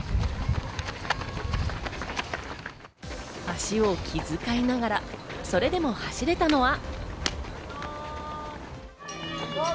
足を気づかいながら、それでも走れたのは。